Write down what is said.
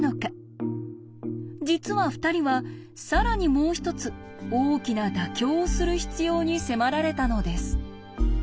実は２人は更にもう一つ大きな妥協をする必要に迫られたのです。